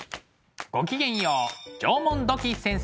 ごきげんよう縄文土器先生です。